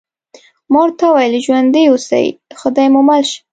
ما ورته وویل: ژوندي اوسئ، خدای مو مل شه.